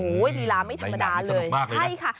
ลีลาไม่ธรรมดาเลยใช่ค่ะ